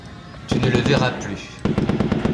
Tu ne le verras plus…